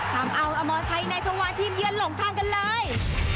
ทำเอาอมอนใช้ในทวงวานทีมยืนหลงทางกันเลย